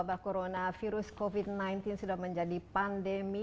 wabah corona virus covid sembilan belas sudah menjadi pandemi